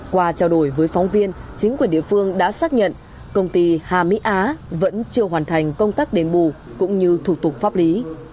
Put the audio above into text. qua trao đổi với phóng viên chính quyền địa phương đã xác nhận công ty hà mỹ á vẫn chưa hoàn thành công tác đền bù cũng như thủ tục pháp lý